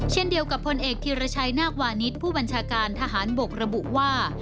เช่นเดียวกับพลเอกธีรชัยนาควานิสผู้บัญชาการทหารบกระบุว่า